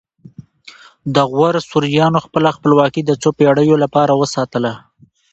د غور سوریانو خپله خپلواکي د څو پیړیو لپاره وساتله